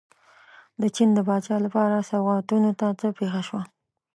د چین د پاچا لپاره سوغاتونو ته څه پېښه شوه.